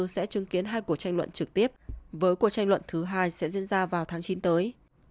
sẽ chứng kiến hai cuộc tranh luận trực tiếp với cuộc tranh luận thứ hai sẽ diễn ra vào tháng chín tới